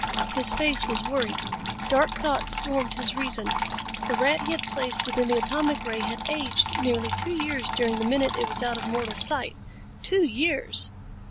His face was worried. Dark thoughts stormed his reason. The rat he had placed within the atomic ray had aged nearly two years during the minute it was out of mortal sight. Two years!